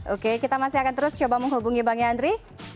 oke kita masih akan terus coba menghubungi bang yandri